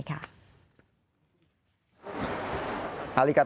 สวัสดีครับ